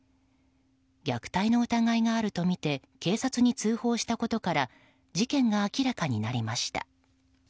虐待の疑いがあるとみて警察に通報したことから事件が明らかになりました。